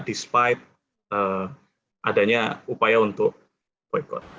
dan adanya upaya untuk boykot